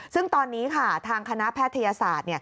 ซึ่งตอนนี้ค่ะทางคณะแพทยศาสตร์